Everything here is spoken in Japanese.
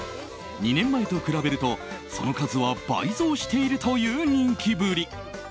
２年前と比べると、その数は倍増しているという人気ぶり。